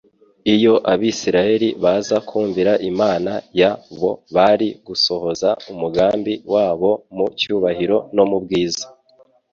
Iyo Abisirayeli baza kumvira Imana ya bo bari gusohoza umugambi wabo mu cyubahiro no mu bwiza.